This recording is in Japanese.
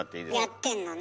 やってんのね？